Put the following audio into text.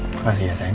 makasih ya sayang